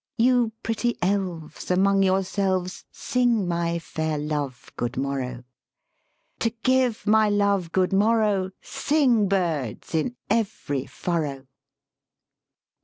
You pretty elves, among yourselves Sing my fair Love good morrow; To give my Love good morrow Sing, birds, in every furrow!"